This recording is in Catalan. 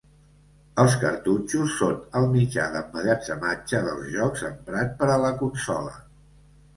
Els cartutxos són el mitjà d'emmagatzematge dels jocs emprat per a la consola.